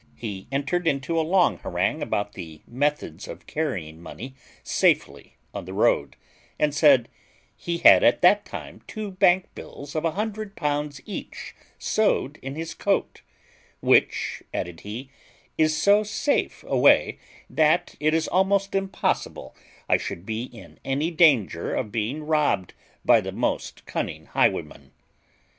He entered into a long harangue about the methods of carrying money safely on the road, and said, "He had at that time two bank bills of a hundred pounds each sewed in his coat; which," added he, "is so safe a way, that it is almost impossible I should be in any danger of being robbed by the most cunning highwayman."